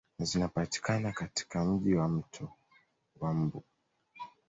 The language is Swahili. Zinapatikana katika Mji wa mto wa mbu